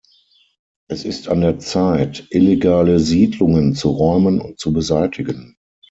Es ist an der Zeit, illegale Siedlungen zu räumen und zu beseitigen.